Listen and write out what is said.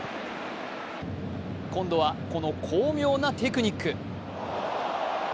今度は、この巧妙なテクニック。